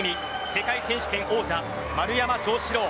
世界選手権王者、丸山城志郎。